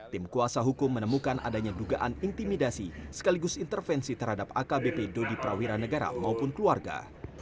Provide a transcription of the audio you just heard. tim kuasa hukum menemukan adanya dugaan intimidasi sekaligus intervensi terhadap akbp dodi prawira negara maupun keluarga